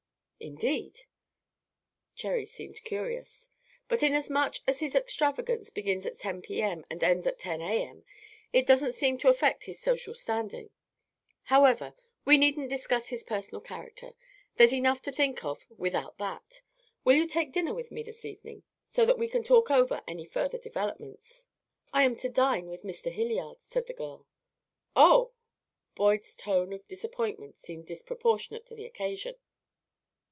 "Indeed!" Cherry seemed curious. "But inasmuch as his extravagance begins at 10 P.M. and ends at 10 A.M., it doesn't seem to affect his social standing. However, we needn't discuss his personal character; there's enough to think of without that. Will you take dinner with me this evening, so that we can talk over any further developments?" "I am to dine with Mr. Hilliard," said the girl. "Oh!" Boyd's tone of disappointment seemed disproportionate to the occasion.